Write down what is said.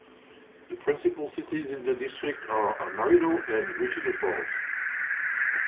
The principal cities in the district are Amarillo and Wichita Falls.